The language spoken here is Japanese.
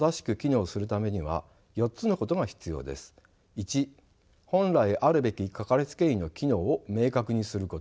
１本来あるべきかかりつけ医の機能を明確にすること。